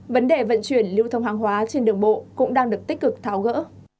vấn đề vận chuyển lưu thông hàng hóa trên đường bộ cũng đang được tích cực tháo gỡ